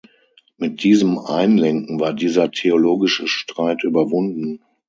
Mit diesem Einlenken war dieser theologische Streit überwunden.